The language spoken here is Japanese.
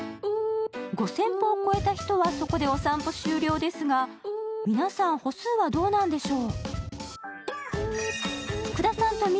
５０００歩を超えた人はそこでお散歩終了ですが、皆さん、歩数はどうなんでしょう。